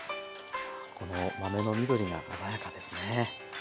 この豆の緑が鮮やかですね。